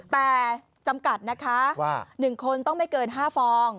แต่จำกัดนะคะว่า๑คนต้องไม่เกิน๕ฟอง